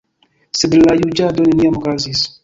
Sed la juĝado neniam okazis.